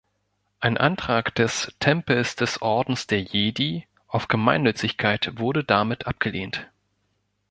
Ein Antrag des „Tempels des Ordens der Jedi“ auf Gemeinnützigkeit wurde damit abgelehnt.